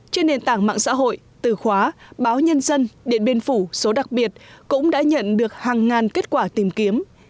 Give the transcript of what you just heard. trên nền tảng mạng xã hội từ khóa báo nhân dân điện biên phủ số đặc biệt cũng đã nhận được hàng ngàn kết quả tìm kiếm